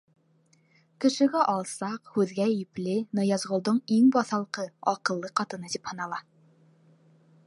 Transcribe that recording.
Кешегә алсаҡ, һүҙгә ипле, Ныязғолдоң иң баҫалҡы, аҡыллы ҡатыны тип һанала.